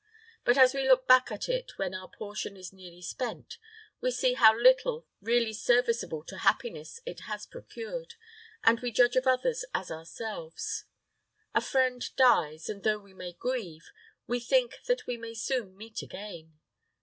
But as we look back at it when our portion is nearly spent, we see how little really serviceable to happiness it has procured, and we judge of others as ourselves. A friend dies; and, though we may grieve, we think that we may soon meet again.